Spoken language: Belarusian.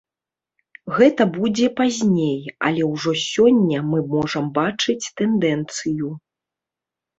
Гэта будзе пазней, але ўжо сёння мы можам бачыць тэндэнцыю.